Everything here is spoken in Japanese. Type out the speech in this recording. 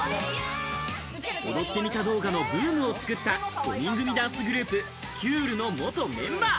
踊ってみた動画のブームを作った５人組ダンスグループ、Ｑ’ｕｌｌｅの元メンバー。